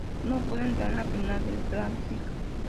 No pudo entrar en la final del Grand Prix.